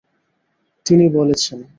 তিনি বলেছেন